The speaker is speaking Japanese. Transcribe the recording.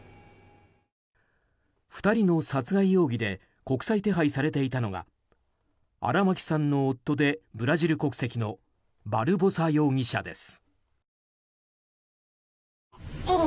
２人の殺害容疑で国際手配されていたのが荒牧さんの夫でブラジル国籍のバルボサ容疑者です。